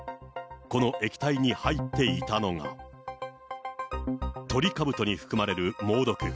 この液体に入っていたのが、トリカブトに含まれる猛毒。